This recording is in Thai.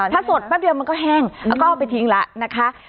อ๋อถ้าสดแป๊บเดียวมันก็แห้งอ๋อก็เอาไปทิ้งละนะคะ